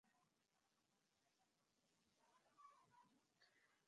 চট্টগ্রাম থেকে ঢাকা অঞ্চলে যাওয়ার পথে দুটি লাইটার জাহাজের সংঘর্ষে একটি ডুবে গেছে।